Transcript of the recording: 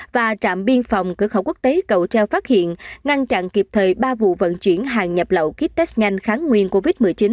và trạm biên phòng cửa khẩu quốc tế cầu treo phát hiện ngăn chặn kịp thời ba vụ vận chuyển hàng nhập lậu kit test nhanh kháng nguyên covid một mươi chín